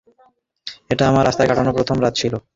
এটা আমার রাস্তায় কাটানো প্রথম রাত ছিল।